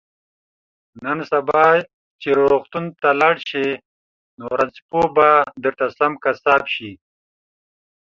نن سبا چې روغتون ته لاړ شي نو رنځپوه به درته سم قصاب شي